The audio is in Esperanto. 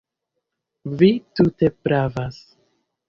Vi tute pravas.